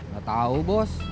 nggak tahu bos